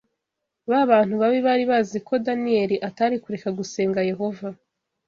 Ba bantu babi bari bazi ko Daniyeli atari kureka gusenga Yehova.